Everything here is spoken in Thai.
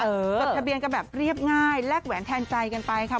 จดทะเบียนกันแบบเรียบง่ายแลกแหวนแทนใจกันไปค่ะ